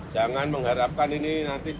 jangan mengharapkan ini nanti